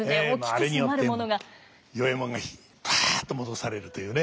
あれによって与右衛門がぱっと戻されるというね。